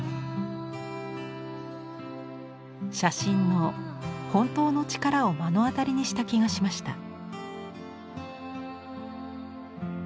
写真の「本当のチカラ」を目の当たりにした気がしました。